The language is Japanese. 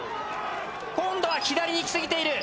今度は左に行き過ぎている。